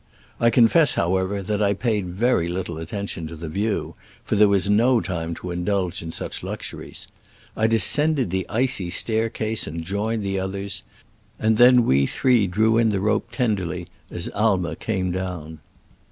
I confess, however, that I paid very little attention to the view, for there was no time to indulge in such luxuries. I descended the icy staircase and joined the others, and then we three drew in the rope tenderly as Aimer came down.